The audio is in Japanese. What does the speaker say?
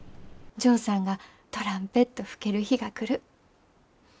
ジョーさんがトランペット吹ける日が来る。